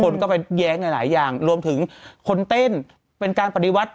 คนก็ไปแย้งหลายอย่างรวมถึงคนเต้นเป็นการปฏิวัติ